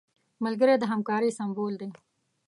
ملګری د همکارۍ سمبول دی